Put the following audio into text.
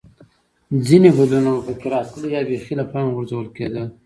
ځیني بدلونونه به په کې راتلل یا بېخي له پامه غورځول کېده